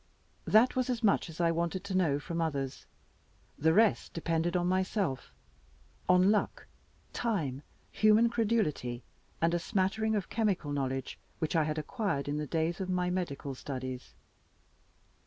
That was as much as I wanted to know from others. The rest depended on myself, on luck, time, human credulity, and a smattering of chemical knowledge which I had acquired in the days of my medical studies.